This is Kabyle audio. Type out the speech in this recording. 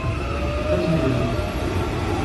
Ad tneggzem.